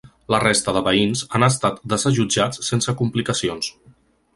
La resta de veïns han estat desallotjats sense complicacions.